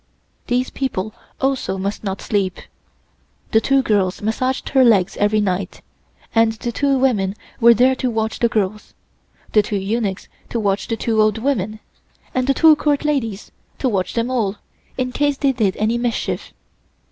These people also must not sleep. The two girls massaged her legs every night, and the two women were there to watch the girls, the two eunuchs to watch the two old women, and the two Court ladies to watch them all, in case they did any mischief.